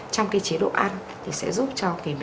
trong cái chế độ ăn thì sẽ giúp cho